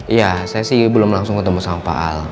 iya saya sih belum langsung ketemu sama pak al